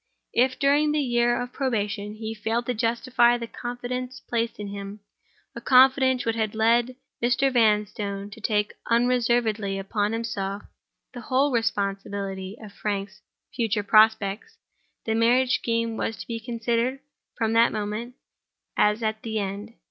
If, during the year of probation, he failed to justify the confidence placed in him—a confidence which had led Mr. Vanstone to take unreservedly upon himself the whole responsibility of Frank's future prospects—the marriage scheme was to be considered, from that moment, as at an end.